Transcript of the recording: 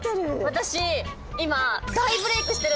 私今。